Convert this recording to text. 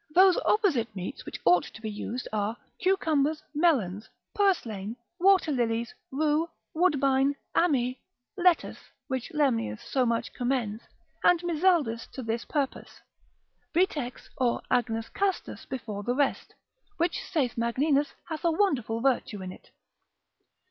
Those opposite meats which ought to be used are cucumbers, melons, purslane, water lilies, rue, woodbine, ammi, lettuce, which Lemnius so much commends, lib. 2, cap. 42. and Mizaldus hort. med. to this purpose; vitex, or agnus castus before the rest, which, saith Magninus, hath a wonderful virtue in it.